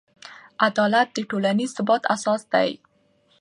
عدالت د ټولنیز ثبات اساس دی.